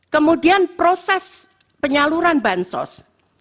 kemudian proses penyaluran bansos